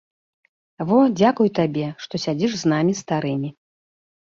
Во, дзякуй табе, што сядзіш з намі старымі.